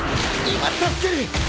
今助ける。